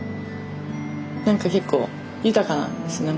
何か結構豊かなんですよ何か。